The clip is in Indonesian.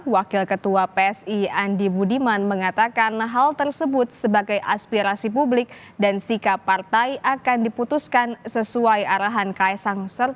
wakil ketua psi andi budiman mengatakan hal tersebut sebagai aspirasi publik dan sikap partai akan diputuskan sesuai arahan kaisang